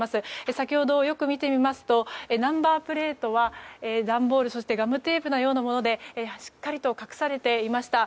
先ほどよく見てみるとナンバープレートはガムテープのようなものでしっかりと隠されていました。